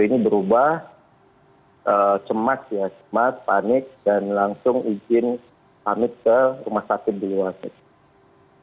jadi berubah cemas ya cemas panik dan langsung izin pamit ke rumah sakit di luar